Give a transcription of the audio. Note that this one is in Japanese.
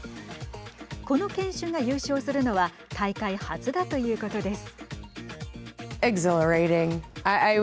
この犬種が優勝するのは大会初だということです。